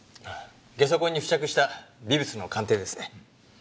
ゲソ痕に付着した微物の鑑定ですね。